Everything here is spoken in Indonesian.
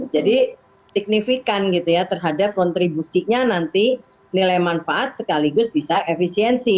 jadi signifikan gitu ya terhadap kontribusinya nanti nilai manfaat sekaligus bisa efisiensi